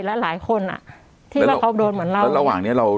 หลายคนอ่ะที่ว่าเขาโดนเหมือนเราแล้วระหว่างเนี้ยเรา